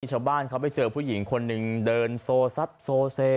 ชาวบ้านเขาไปเจอผู้หญิงคนหนึ่งเดินโซซัดโซเซ